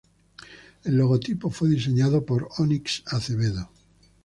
El logotipo fue diseñado por Ónix Acevedo.